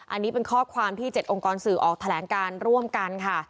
อันนี้เป็นข้อความที่๗องค์กรสื่อออกแถลงการร่วมกันค่ะ